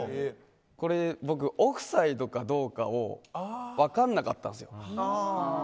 僕オフサイドかどうかを分かんなかったんですよ。